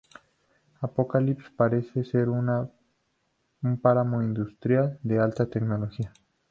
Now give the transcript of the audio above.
Apokolips parece ser un páramo industrial de alta tecnología.